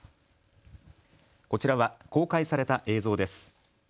こちらは公開された映像です。